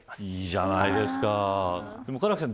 いいじゃないですか唐木さん